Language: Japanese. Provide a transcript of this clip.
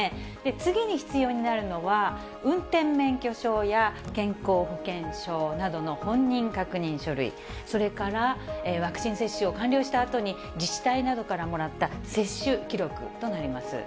次に必要になるのは、運転免許証や健康保険証などの本人確認書類、それからワクチン接種を完了したあとに自治体などからもらった接種記録となります。